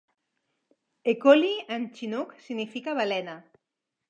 "Ehkoli" en chinook significa "balena".